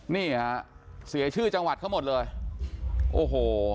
นี่ฮะเสียชื่อจังหวัดเขาหมดเลยโอ้โห